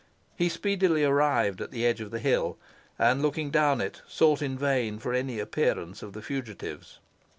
He speedily arrived at the edge of the hill, and, looking down it, sought in vain for any appearance of the fugitives.